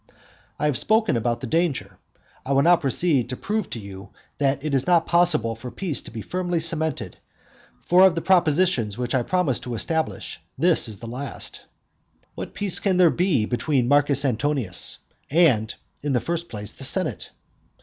I have spoken about the danger. I will now proceed to prove to you that it is not possible for peace to be firmly cemented; for of the propositions which I promised to establish this is the last. VIII. What peace can there be between Marcus Antonius and (in the first place) the senate?